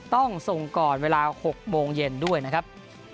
ต้องส่งก่อนเวลา๖โมงเย็นด้วยนะครับ